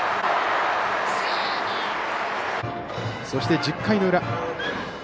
そして１０回の裏。